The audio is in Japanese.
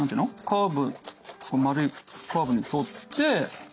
カーブ丸いカーブに沿って。